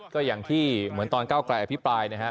ก็อย่างที่เหมือนตอนเก้าไกลอภิปรายนะฮะ